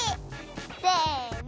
せの。